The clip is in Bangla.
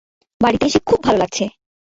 বাড়িতে এসে খুব ভালো লাগছে!